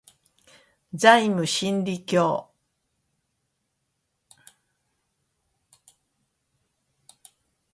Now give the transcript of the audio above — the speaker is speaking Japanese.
ザイム真理教